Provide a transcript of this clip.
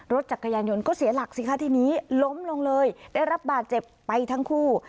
รถจักรยานยนต์ก็เสียหลักสิคะทีนี้ล้มลงเลยได้รับบาดเจ็บไปทั้งคู่